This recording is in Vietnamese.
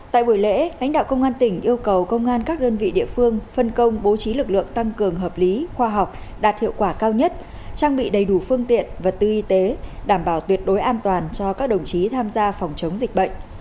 tại buổi lễ lãnh đạo công an tỉnh yêu cầu công an các đơn vị địa phương phân công bố trí lực lượng tăng cường hợp lý khoa học đạt hiệu quả cao nhất trang bị đầy đủ phương tiện vật tư y tế đảm bảo tuyệt đối an toàn cho các đồng chí tham gia phòng chống dịch bệnh